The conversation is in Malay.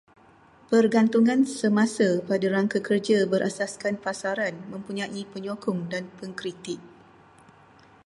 Pergantungan semasa pada rangka kerja berasaskan pasaran mempunyai penyokong dan pengkritik